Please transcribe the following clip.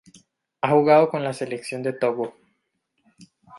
Ha jugado con la selección de Togo.